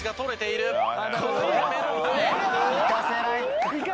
行かせない。